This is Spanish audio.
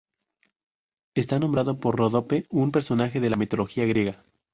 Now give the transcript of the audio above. Está nombrado por Ródope, un personaje de la mitología griega.